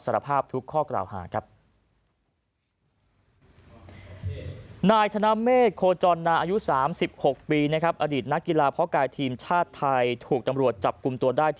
สารภาพทุกข้อกล่าวหา